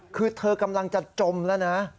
คือเธอกำลังจะจมแล้วนะ